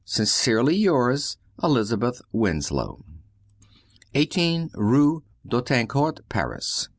Sincerely yours, Elizabeth Winslow 18 rue d'Autancourt, Paris.